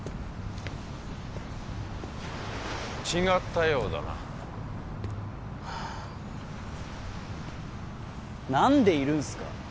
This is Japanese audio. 違ったようだな何でいるんすか？